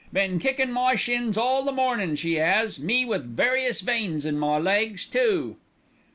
Been kickin' my shins all the mornin', she 'as, me with 'various' veins in my legs too."